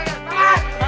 ya semangat ya semangat